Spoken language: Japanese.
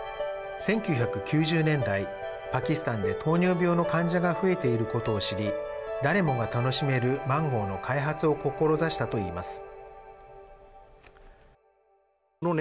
１９９０年代パキスタンで、糖尿病の患者が増えていることを知り誰もが楽しめるマンゴーの開発を志したといいます。